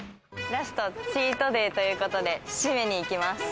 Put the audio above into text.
ラスト、チートデイということで締めに行きます。